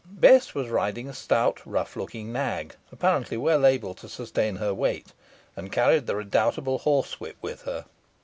Bess was riding a stout, rough looking nag, apparently well able to sustain her weight, and carried the redoubtable horsewhip with her.